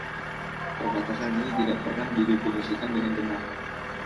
Perbatasan ini tidak pernah didefinisikan dengan benar.